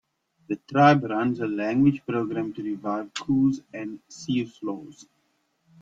The tribe runs a language program to revive Coos and Siuslaw.